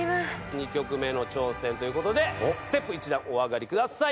２曲目の挑戦ということでステップ１段お上がりください。